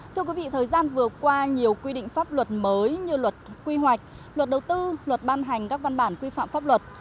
thưa quý vị thời gian vừa qua nhiều quy định pháp luật mới như luật quy hoạch luật đầu tư luật ban hành các văn bản quy phạm pháp luật